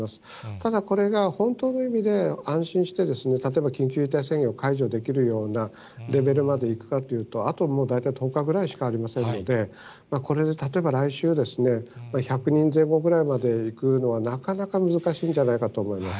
ただ、これが本当の意味で、安心して、例えば、緊急事態宣言を解除できるようなレベルまでいくかというと、あと、もう大体１０日ぐらいしかありませんので、これで例えば来週、１００人前後ぐらいまでいくのは、なかなか難しいんじゃないかと思います。